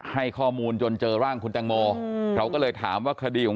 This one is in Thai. ให้ข้อมูลจนเจอร่างคุณแตงโมเราก็เลยถามว่าคดีของ